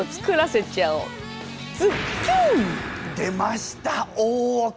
出ました大奥！